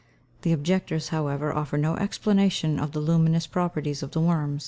The objectors, however, offer no explanation of the luminous properties of the worm.